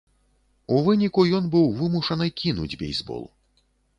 У выніку ён быў вымушаны кінуць бейсбол.